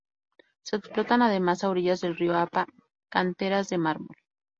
Se explotan además, a orillas del río Apa canteras de mármol.